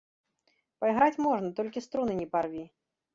Пайграць можна, толькі струны не парві.